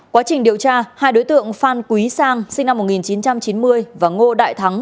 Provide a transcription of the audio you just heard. quá trình điều tra hai đối tượng phan quý sang sinh năm một nghìn chín trăm chín mươi và ngô đại thắng